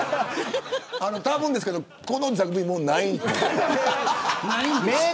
たぶんですけど、この座組もうないので。